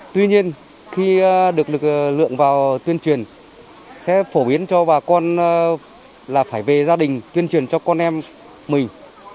tuy nhiên khi được lực lượng vào tuyên truyền sẽ phổ biến cho bà con là phải về gia đình tuyên truyền cho con em mình